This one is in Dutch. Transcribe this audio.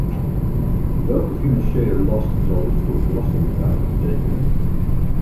Welke financiële last zal dit voor de belastingbetaler betekenen?